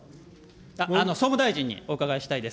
総務大臣にお伺いしたいです。